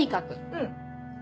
うん。